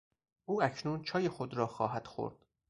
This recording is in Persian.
او اکنون چای خود را خواهد خورد.